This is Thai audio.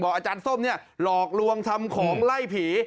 อาจารย์ส้มเนี่ยหลอกลวงทำของไล่ผี